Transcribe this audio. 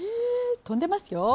飛んでますよ。